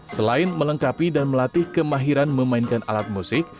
selain melengkapi dan melatih kemahiran memainkan alat musik